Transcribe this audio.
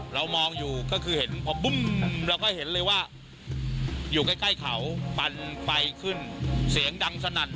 เรามองอยู่ก็คือเห็นพอบึ้มเราก็เห็นเลยว่าอยู่ใกล้เขาปันไฟขึ้นเสียงดังสนั่น